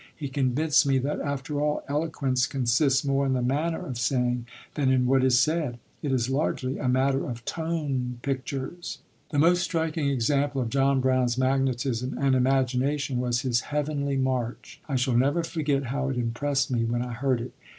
He convinced me that, after all, eloquence consists more in the manner of saying than in what is said. It is largely a matter of tone pictures. The most striking example of John Brown's magnetism and imagination was his "heavenly march"; I shall never forget how it impressed me when I heard it.